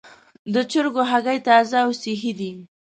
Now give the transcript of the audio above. د چرګانو هګۍ تازه او صحي دي.